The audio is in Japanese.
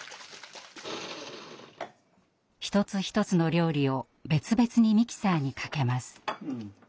一つ一つの料理を別々にミキサーにかけます。